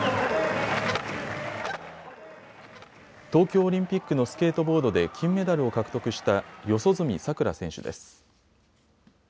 東京オリンピックのスケートボードで金メダルを獲得した四十住さくら選手です。